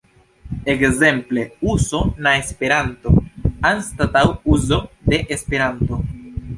Ekzemple, "uzo" na Esperanto" anstataŭ "uzo de Esperanto".